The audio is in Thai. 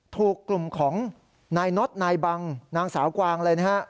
ถูกกลุ่มของนายน็อตนายบังนางสาวกวางอะไรนะฮะ